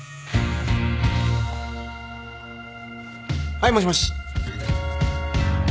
はいもしもし。